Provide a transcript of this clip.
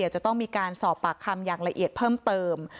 จะต้องมีการสอบปากคำอย่างละเอียดเพิ่มเติม